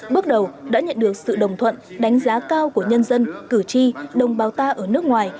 bước đầu đã nhận được sự đồng thuận đánh giá cao của nhân dân cử tri đồng bào ta ở nước ngoài